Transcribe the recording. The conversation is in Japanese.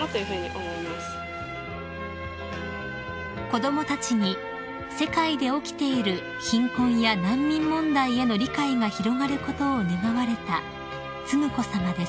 ［子供たちに世界で起きている貧困や難民問題への理解が広がることを願われた承子さまです］